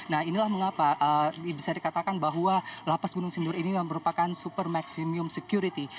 nah inilah mengapa bisa dikatakan bahwa lapas gunung sindur ini merupakan super maximum security